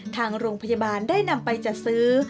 ทางโรงพยาบาลได้นำไปจัดซื้อ